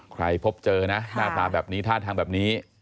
พบเจอนะหน้าตาแบบนี้ท่าทางแบบนี้